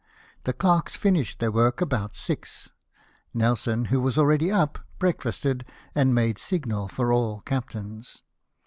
The clerks finished their work about six. Nelson, who was already up, breakfasted, and made signal for all captains.